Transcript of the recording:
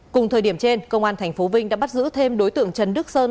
cùng thời điểm trên công an tp vinh đã bắt giữ thêm đối tượng trần đức sơn